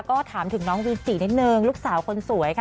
ก็ถามถึงน้องวินจินิดนึงลูกสาวคนสวยค่ะ